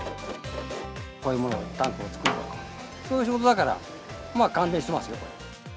こういうもの、タンクを作るとか、そういう仕事だから、関連してますよ。